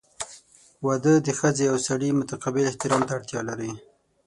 • واده د ښځې او سړي متقابل احترام ته اړتیا لري.